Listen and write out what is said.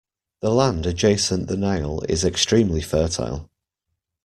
The land adjacent the Nile is extremely fertile